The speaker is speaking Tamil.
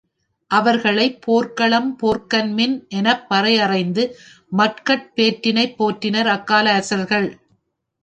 அவர்களைப் போர்க்களம் போக்கன் மின், எனப் பறையறைந்து மக்கட் பேற்றினைப் போற்றினர் அக்கால அரசர்கள்.